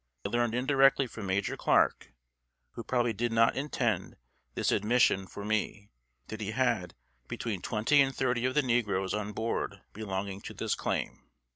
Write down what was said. I learned indirectly from Major Clark, (who probably did not intend this admission for me,) that he had between twenty and thirty of the negroes on board belonging to this claim."